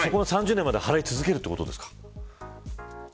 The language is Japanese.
３０年まで払い続けるということですか。